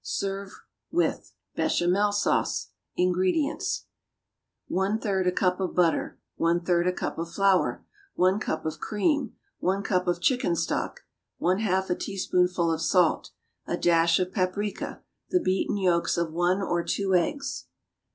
Serve with =BECHAMEL SAUCE.= INGREDIENTS. 1/3 a cup of butter. 1/3 a cup of flour. 1 cup of cream. 1 cup of chicken stock. 1/2 a teaspoonful of salt. A dash of paprica. The beaten yolks of 1 or 2 eggs.